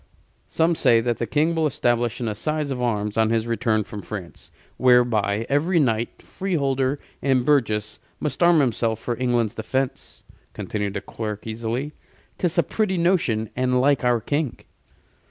"Some say that the King will establish an assize of arms on his return from France, whereby every knight, freeholder, and burgess must arm himself for England's defense," continued the clerk, easily. "'Tis a pretty notion, and like our King."